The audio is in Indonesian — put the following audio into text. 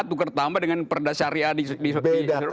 tukar tambah dengan perdasyariah di bapa